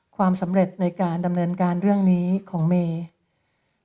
ความสำเร็จในการดำเนินการเรื่องนี้ของเมย์